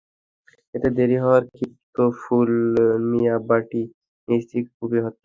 এতে দেরি হওয়ায় ক্ষিপ্ত ফুল মিয়া বঁটি দিয়ে স্ত্রীকে কুপিয়ে হত্যা করেন।